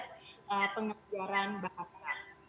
nah ini adalah pengajaran bahasa